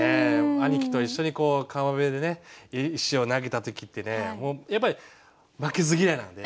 兄貴と一緒に川辺でね石を投げた時ってねやっぱり負けず嫌いなのでね